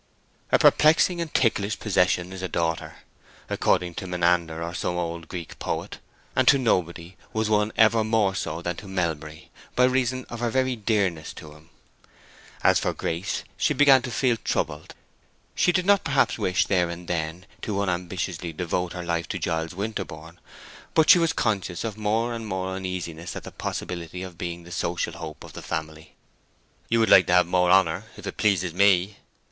"A perplexing and ticklish possession is a daughter," according to Menander or some old Greek poet, and to nobody was one ever more so than to Melbury, by reason of her very dearness to him. As for Grace, she began to feel troubled; she did not perhaps wish there and then to unambitiously devote her life to Giles Winterborne, but she was conscious of more and more uneasiness at the possibility of being the social hope of the family. "You would like to have more honor, if it pleases me?"